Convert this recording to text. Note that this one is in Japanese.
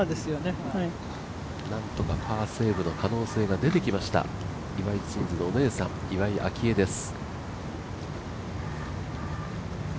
なんとかパーセーブの可能性が出てきました、岩井ツインズのお姉さん、岩井明愛です。